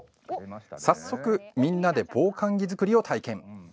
早速、みんなで防寒着作りを体験。